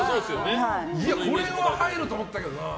これは入ると思ったけどな。